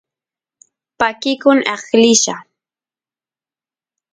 pakikun eqlilla